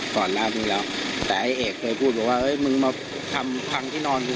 ก่อนหน้านี้แล้วแต่ไอ้เอกเคยพูดบอกว่าเฮ้ยมึงมาทำพังที่นอนกู